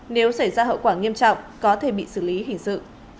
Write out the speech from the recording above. nếu xảy ra hậu quả nghiêm trọng có thể bị xử lý hình sự